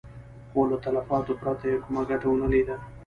خو له تلفاتو پرته يې کومه ګټه ونه ليده.